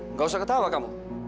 nggak usah ketawa kamu